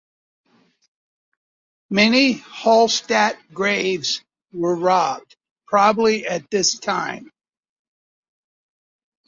Many Hallstatt graves were robbed, probably at this time.